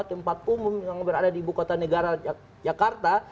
tempat umum yang berada di ibu kota negara jakarta